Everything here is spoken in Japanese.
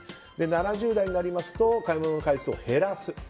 ７０代になると買い物の回数を減らす。